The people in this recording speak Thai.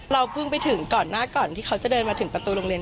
เพิ่งไปถึงก่อนหน้าก่อนที่เขาจะเดินมาถึงประตูโรงเรียน